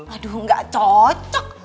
aduh gak cocok